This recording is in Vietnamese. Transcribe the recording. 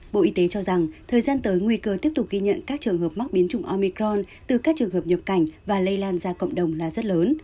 bộ y tế cho rằng thời gian tới nguy cơ tiếp tục ghi nhận các trường hợp mắc biến chủng omicron từ các trường hợp nhập cảnh và lây lan ra cộng đồng là rất lớn